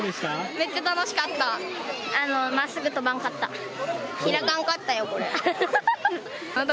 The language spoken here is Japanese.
めっちゃ楽しかった。